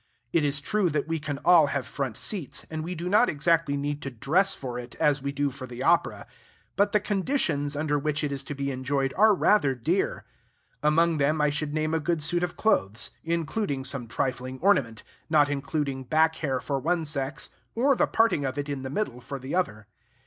It is true that we can all have front seats, and we do not exactly need to dress for it as we do for the opera; but the conditions under which it is to be enjoyed are rather dear. Among them I should name a good suit of clothes, including some trifling ornament, not including back hair for one sex, or the parting of it in the middle for the other.